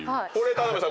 田辺さん